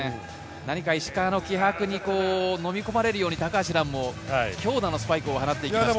石川の気迫にのみ込まれるように高橋藍も強打のスパイクを放っています。